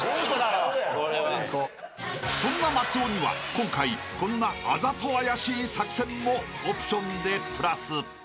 ［そんな松尾には今回こんなアザトアヤシイ作戦もオプションでプラス］